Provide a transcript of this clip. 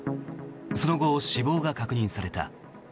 その後、死亡が確認された。